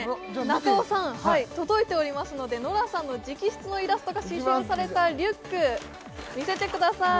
中尾さん届いておりますのでノラさんの直筆のイラストが刺繍されたリュック見せてください